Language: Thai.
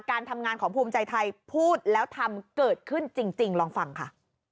การทำงานของภูมิใจไทยพูดแล้วทำเกิดขึ้นจริงลองฟังค่ะ